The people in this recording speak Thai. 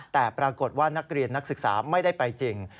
แต่ปรากฏว่านักเรียนนักศึกษาไม่ได้ไปจริง